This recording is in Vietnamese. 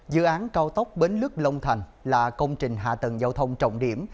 dự án cao tốc bến lước long thành là công trình hạ tầng giao thông trọng điểm